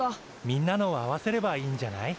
みんなのを合わせればいいんじゃない？